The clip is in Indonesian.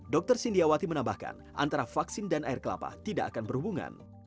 dr sindiawati menambahkan antara vaksin dan air kelapa tidak akan berhubungan